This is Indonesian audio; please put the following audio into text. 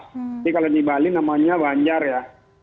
jadi kalau di bali namanya banjar ya